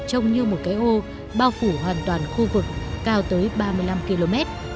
trông như một cái ô bao phủ hoàn toàn khu vực cao tới ba mươi năm km